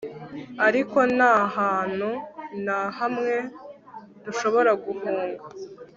ariko ntahantu na hamwe dushobora guhunga